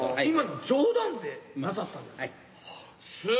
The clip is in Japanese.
今の冗談でなさったんですか？